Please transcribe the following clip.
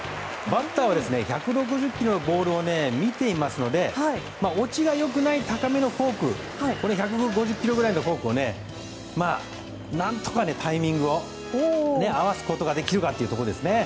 バッターは１６０キロのボールを見ていますので落ちが良くない高めのフォーク１５０キロぐらいのフォークを何とかタイミングを合わすことができるかというところですね。